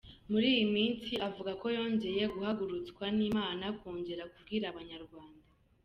Muri iyi minsi avuga ko yongeye guhagurutswa n’Imana kongera kubwira abanyarwanda.